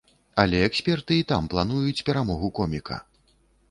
Але эксперты і там плануюць перамогу коміка.